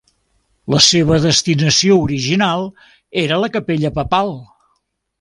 La seva destinació original era la Capella papal.